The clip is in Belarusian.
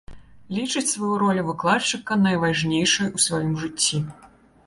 Лічыць сваю ролю выкладчыка найважнейшай у сваім жыцці.